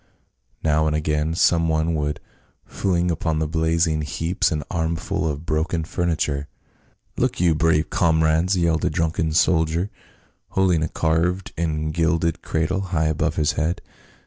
Now and again some one would fling upon the blazing heaps an armful of broken fur niture. " Look you, brave comrades !" yelled a drunken soldier, holding a carved and gilded cradle high above his head.